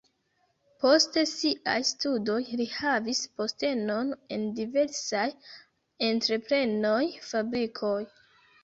Post siaj studoj li havis postenon en diversaj entreprenoj, fabrikoj.